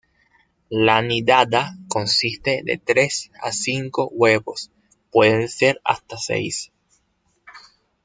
La nidada consiste de tres a cinco huevos, pueden ser hasta seis.